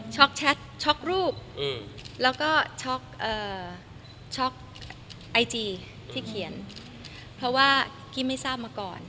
แชทช็อกรูปแล้วก็ช็อกช็อกไอจีที่เขียนเพราะว่ากี้ไม่ทราบมาก่อน